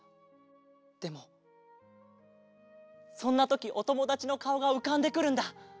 でもそんなときおともだちのかおがうかんでくるんだ。